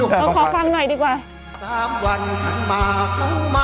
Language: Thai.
ข้างหลังนี้ที่ดูขอฟังหน่อยดีกว่า